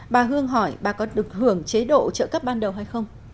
bà hương hỏi bà có được hưởng chế độ trợ cấp ban đầu hay không